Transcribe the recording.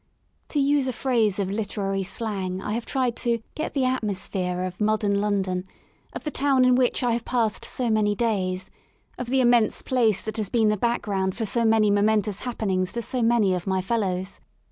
To use a phrase of literary slang I have tried to get the xi INTRODUCTORY atmosphere " of modern London — of the town in which I have passed so many days; of the immense place that has been the background for so many momentous happenings to so many of my fellows.